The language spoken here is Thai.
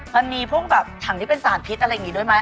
มันมีพวกแบบถังที่เป็นสารพิษอะไรอย่างนี้ด้วยไหม